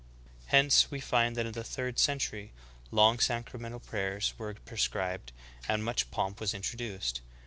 Hence we find that in the third century, long sacramental prayers were prescribed, and much pomp was introduced.